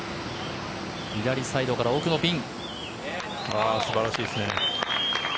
左サイドから奥のピン。